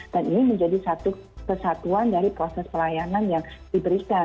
dan ini menjadi satu kesatuan dari proses pelayanan yang diberikan